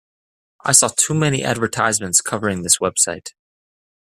I saw too many advertisements covering this website.